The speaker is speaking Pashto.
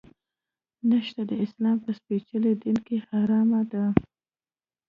نشه د اسلام په سپیڅلي دین کې حرامه ده.